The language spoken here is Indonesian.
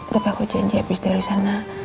tapi aku janji abis dari sana